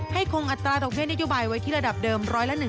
คงอัตราดอกเบี้ยนโยบายไว้ที่ระดับเดิม๑๑